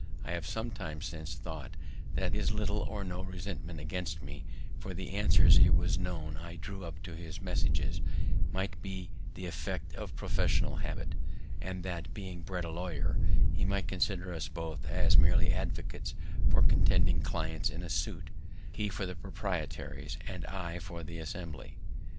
I have sometimes since thought that his little or no resentment against me, for the answers it was known I drew up to his messages, might be the effect of professional habit, and that, being bred a lawyer, he might consider us both as merely advocates for contending clients in a suit, he for the proprietaries and I for the Assembly.